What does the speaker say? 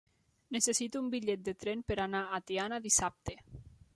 Necessito un bitllet de tren per anar a Tiana dissabte.